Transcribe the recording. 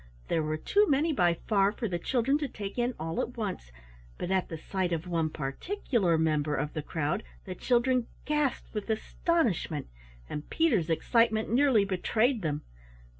There were too many by far for the children to take in all at once, but at the sight of one particular member of the crowd, the children gasped with astonishment; and Peter's excitement nearly betrayed them.